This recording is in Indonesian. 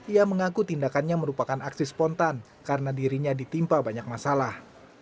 ia mengaku tindakannya merupakan aksi spontan karena dirinya ditimpa banyak masalah